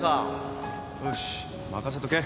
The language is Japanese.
よし任せとけ